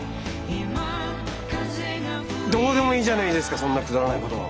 どうでもいいじゃないですかそんなくだらないこと。